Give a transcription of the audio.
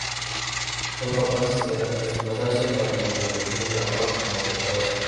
Son capaces de desplazarse tanto en dirección de la cola como de la cabeza.